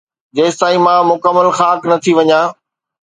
جيستائين مان مڪمل خاڪ نه ٿي وڃان